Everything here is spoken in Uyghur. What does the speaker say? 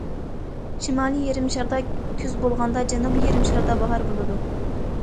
شىمالىي يېرىم شاردا كۈز بولغاندا، جەنۇبىي يېرىم شاردا باھار بولىدۇ.